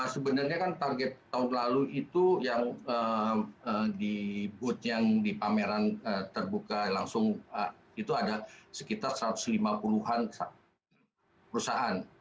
sebenarnya kan target tahun lalu itu yang di booth yang di pameran terbuka langsung itu ada sekitar satu ratus lima puluh an perusahaan